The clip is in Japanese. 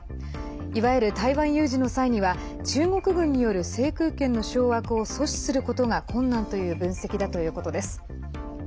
いわゆる台湾有事の際には中国軍による制空権の掌握を阻止することが困難という分析だということです。